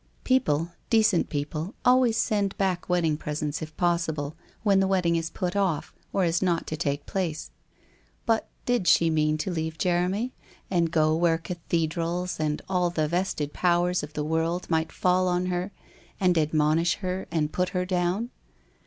People — decent people — always send back wedding presents, if possible, when the wedding is put off, or is not to take place. But did she mean to leave Jeremy, and go where cathedrals and all the vested powers of the world might fall on her and admonish her and put her down?